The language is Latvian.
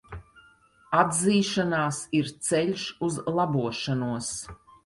Atzīšanās ir ceļš uz labošanos.